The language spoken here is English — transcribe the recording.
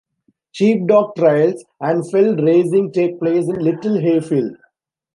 Sheepdog trials and fell racing take place in Little Hayfield.